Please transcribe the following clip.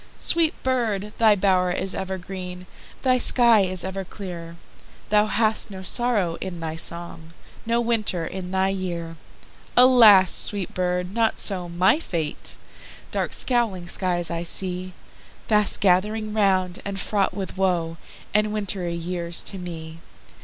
Sweet bird! thy bow'r is ever green, Thy sky is ever clear; Thou hast no sorrow in thy song, No winter in thy year! Alas! sweet bird! not so my fate, Dark scowling skies I seeFast gathering round, and fraught with woeAnd wintry years to me.